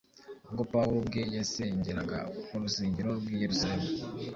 ubwo Pawulo ubwe yasengeraga mu rusengero rw’i Yerusaremu,